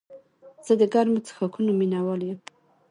زه د ګرمو څښاکونو مینه وال یم.